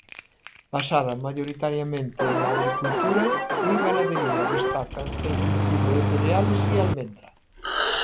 Basada mayoritariamente en la agricultura y ganadería destacan el cultivo de cereales y almendra.